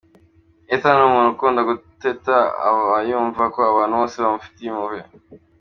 Ethan ni umuntu ukunda guteta aba yumva ko abantu bose bamufitiye impuhwe.